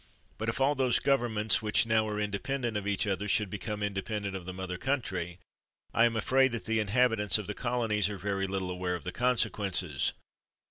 But if all those governments which are now in dependent of each other should become inde pendent of the mother country, I am afraid that the inhabitants of the colonies are very little aware of the consequences.